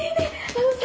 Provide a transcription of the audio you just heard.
あのさ